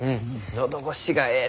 喉越しがえい